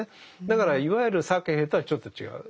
だからいわゆるサケヘとはちょっと違う。